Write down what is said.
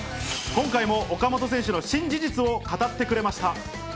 今回も岡本選手の新事実を語ってくれました。